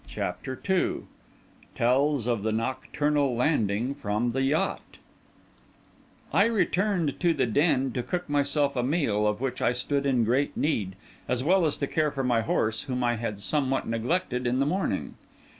CHAPTER II TELLS OF THE NOCTURNAL LANDING FROM THE YACHT I returned to the den to cook myself a meal, of which I stood in great need, as well as to care for my horse, whom I had somewhat neglected in the morning.